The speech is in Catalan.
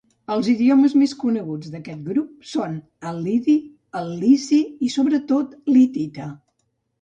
Els idiomes més coneguts d'aquest grup són el lidi, el lici, i, sobretot l'hitita.